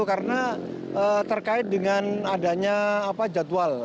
karena terkait dengan adanya jadwal